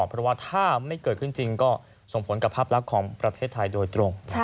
เพราะว่าถ้าไม่เกิดขึ้นจริงก็ส่งผลกับภาพลักษณ์ของประเทศไทยโดยตรง